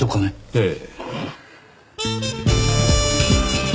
ええ。